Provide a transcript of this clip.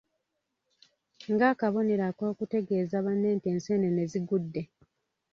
Ng'akabonero ak'okutegeeza banne nti enseenene zigudde.